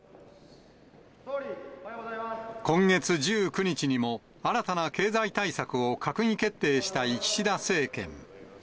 今月１９日にも、新たな経済対策を閣議決定した岸田政権。